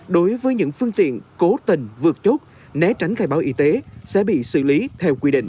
đối với những phương tiện cố tình vượt chốt né tránh khai báo y tế sẽ bị xử lý theo quy định